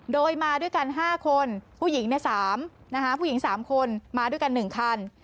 โดยมาด้วยกัน๕คนผู้หญิง๓คนมาด้วยกัน๑คัน